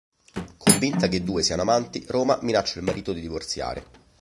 Convinta che i due siano amanti, Roma minaccia il marito di divorziare.